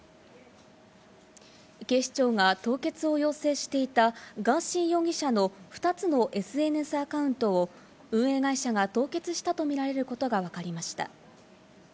警視庁が凍結を要請していたガーシー容疑者の２つのＳＮＳアカウントを運営会社が凍結したとみられることがわかりました。